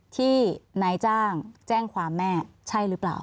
ที่นายจ้างแจ้งความแม่ใช่หรือเปล่า